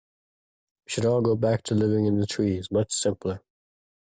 We should all go back to living in the trees, much simpler.